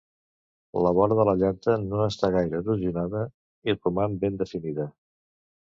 La vora de la llanta no està gaire erosionada i roman ben definida.